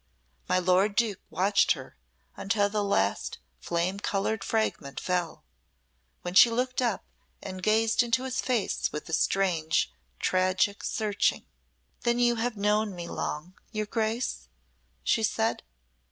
My lord Duke watched her until the last flame coloured fragment fell, when she looked up and gazed into his face with a strange, tragic searching. "Then you have known me long, your Grace?" she said.